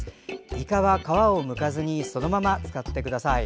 いかは皮をむかずにそのまま使ってください。